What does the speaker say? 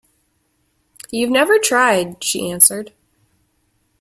“You’ve never tried,” she answered.